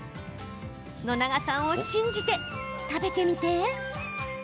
野永さんを信じて、食べてみて。